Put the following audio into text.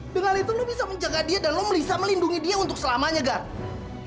dengan itu lu bisa menjaga dia dan lu bisa melindungi dia untuk selamanya gak